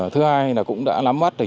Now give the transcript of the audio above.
thứ hai là cũng đã nắm mắt được